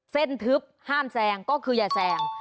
ทึบห้ามแซงก็คืออย่าแซง